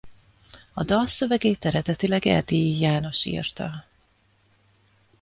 A dal szövegét eredetileg Erdélyi János írta.